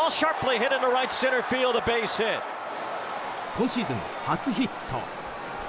今シーズン初ヒット。